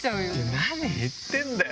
何言ってんだよ！